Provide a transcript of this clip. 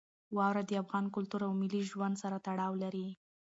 واوره د افغان کلتور او ملي ژوند سره تړاو لري.